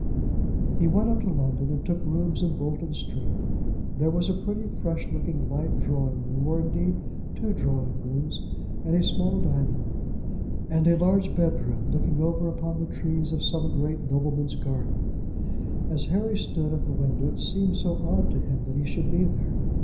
He went up to London and took rooms in Bolton Street. There was a pretty fresh looking light drawing room, or, indeed, two drawing rooms, and a small dining room, and a large bed room looking over upon the trees of some great nobleman's garden. As Harry stood at the window it seemed so odd to him that he should be there.